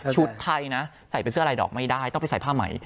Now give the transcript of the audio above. ไทยนะใส่เป็นเสื้อลายดอกไม่ได้ต้องไปใส่ผ้าใหม่